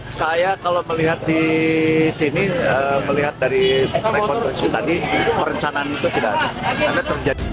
saya kalau melihat di sini melihat dari rekonstruksi tadi perencanaan itu tidak ada terjadi